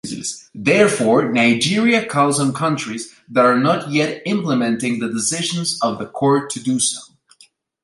Therefore, Nigeria calls on countries that are not yet implementing the decisions of the Court to do so.